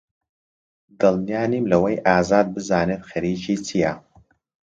دڵنیا نیم لەوەی ئازاد بزانێت خەریکی چییە.